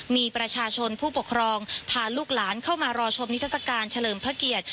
มีประชาชนผู้ปกครองพาลูกหลานเข้ามารอชมนิทรศการเฉลิมพระเกียรติ